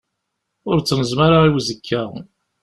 Ur ttneẓma ara i uzekka.